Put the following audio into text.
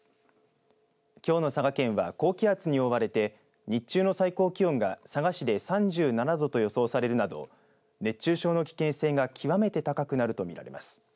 きょうの佐賀県は高気圧に覆われて日中の最高気温が佐賀市で３７度と予想されるなど熱中症の危険性が極めて高くなると見られます。